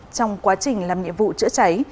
trong quá trình làm nhiệm vụ chữa cháy